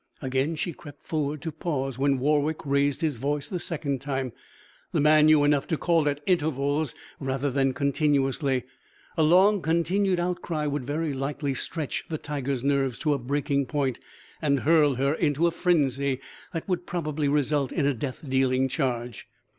Again she crept forward, to pause when Warwick raised his voice the second time. The man knew enough to call at intervals rather than continuously. A long, continued outcry would very likely stretch the tiger's nerves to a breaking point and hurl her into a frenzy that would probably result in a death dealing charge.